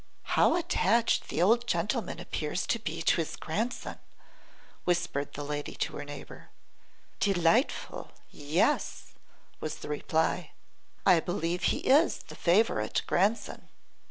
'How attached the old gentleman appears to be to his grandson!' whispered the lady to her neighbour. 'Delightful! yes!' was the reply, 'I believe he is the favourite grandson.